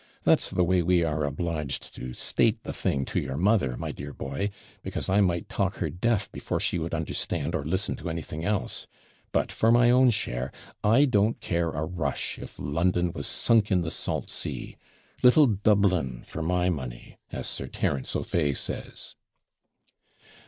That's the way we are obliged to state the thing to your mother, my dear boy, because I might talk her deaf before she would understand or listen to anything else. But, for my own share, I don't care a rush if London was sunk in the salt sea. Little Dublin for my money, as Sir Terence O'Fay says.'